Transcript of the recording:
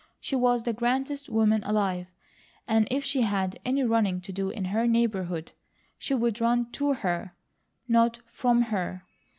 She was the grandest woman alive, and if she had any running to do in her neighbourhood, she would run TO her, and not FROM her.